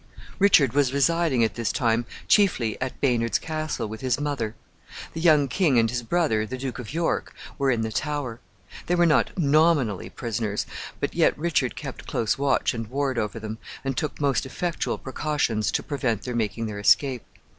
Richard was residing at this time chiefly at Baynard's Castle with his mother.[N] The young king and his brother, the Duke of York, were in the Tower. They were not nominally prisoners, but yet Richard kept close watch and ward over them, and took most effectual precautions to prevent their making their escape.